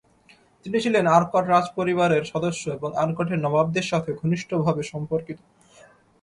তিনি ছিলেন আরকট রাজপরিবারের সদস্য এবং আরকটের নবাবদের সাথে ঘনিষ্ঠভাবে সম্পর্কিত।